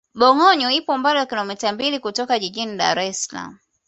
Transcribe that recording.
bongoyo ipo umbali wa kilomita mbili kutoka jijini dar es salaam